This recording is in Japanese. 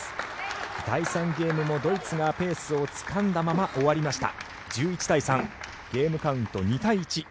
第３ゲームもドイツがペースをつかんだまま終わりました。